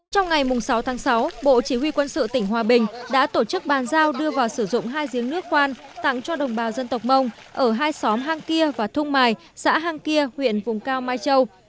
trong ngày sáu tháng sáu bộ chỉ huy quân sự tỉnh hòa bình đã tổ chức bàn giao đưa vào sử dụng hai giếng nước khoan tặng cho đồng bào dân tộc mông ở hai xóm hang kia và thung mài xã hang kia huyện vùng cao mai châu